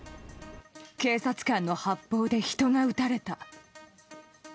警察官の発砲で人が撃たれた。